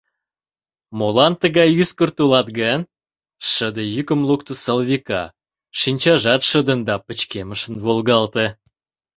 — Молан тыгай ӱскырт улат гын? — шыде йӱкым лукто Салвика, шинчажат шыдын да пычкемышын волгалте.